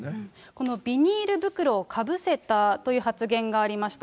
このビニール袋をかぶせたという発言がありました。